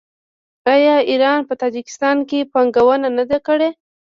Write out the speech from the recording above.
آیا ایران په تاجکستان کې پانګونه نه ده کړې؟